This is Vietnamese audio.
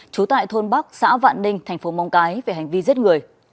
chú tại thôn bắc xã vạn ninh tp móng cái về hành vi giết người